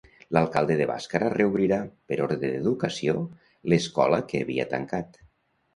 L'alcalde de Bàscara reobrirà, per ordre d'Educació, l'escola que havia tancat.